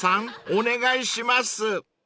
お願いします］